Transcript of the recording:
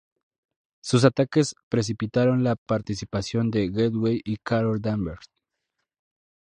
Sus ataques precipitaron la participación de Gateway y Carol Danvers.